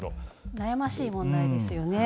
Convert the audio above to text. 悩ましい問題ですよね。